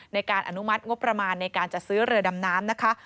อนุมัติงบประมาณในการจัดซื้อเรือดำน้ำนะคะ